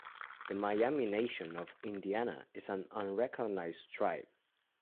The Miami Nation of Indiana is an unrecognized tribe.